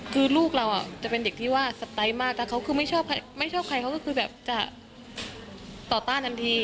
คือลูกเราจะเป็นเด็กที่ว่าสไตล์มากแต่เขาคือไม่ชอบใครเขาก็คือแบบจะต่อต้านทันที